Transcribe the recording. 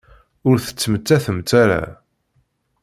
Ur tettmettatemt ara.